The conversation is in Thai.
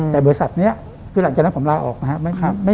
แต่บริษัทนี้คือหลังจากนั้นผมลาออกนะครับ